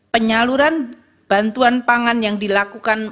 penyaluran bantuan pangan yang dilakukan